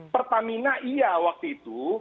pertamina iya waktu itu